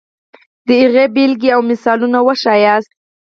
د هغې بېلګې او مثالونه وښیاست.